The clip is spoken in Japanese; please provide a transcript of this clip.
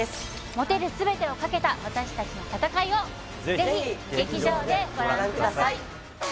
持てる全てをかけた私達の戦いをぜひ劇場でご覧ください